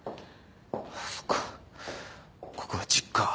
そっかここは実家。